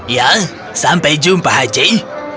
ya sampai jumpa hachi